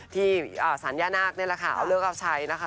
ที่สารย่านาคนี่แหละค่ะเอาเลิกเอาใช้นะคะ